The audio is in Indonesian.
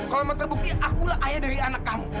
kalau memang terbukti akulah ayah dari anak kamu